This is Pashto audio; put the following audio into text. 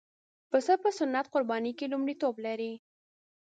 پسه په سنت قربانۍ کې لومړیتوب لري.